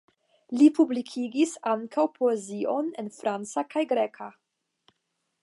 Li publikigis ankaŭ poezion en franca kaj greka.